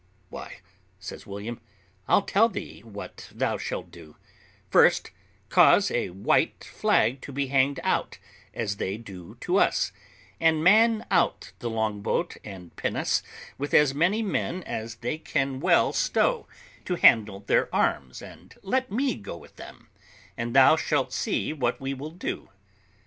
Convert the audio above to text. "Why," says William, "I'll tell thee what thou shalt do; first, cause a white flag to be hanged out, as they do to us, and man out the longboat and pinnace with as many men as they can well stow, to handle their arms, and let me go with them, and thou shalt see what we will do.